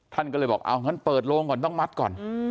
ท่านก็เลยบอกเอางั้นเปิดโลงก่อนต้องมัดก่อน